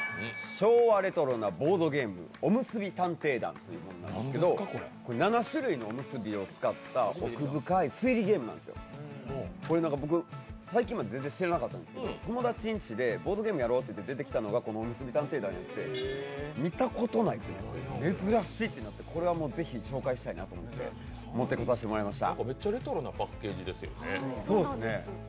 昭和レトロなボードゲーム「おむすび探偵団」というものなんですけど最近まで全然知らなかったんですけど、友達の家でボードゲームやろうって言って出てきたのが、この「おむすび探偵団」で、見たことないと思って珍しっ！となってこれはもうぜひ紹介したいなと思って持ってこさせてもらいました。